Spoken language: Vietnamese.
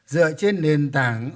dựa trên nền tảng